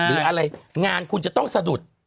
หรืออะไรงานคุณจะต้องสะดุด